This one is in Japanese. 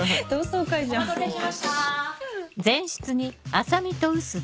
お待たせしました。